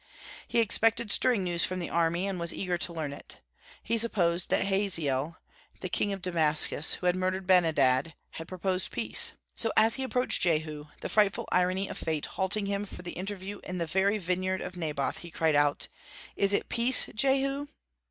He expected stirring news from the army, and was eager to learn it. He supposed that Hazael, then king of Damascus, who had murdered Benhadad, had proposed peace. So as he approached Jehu the frightful irony of fate halting him for the interview in the very vineyard of Naboth he cried out, "Is it peace, Jehu?"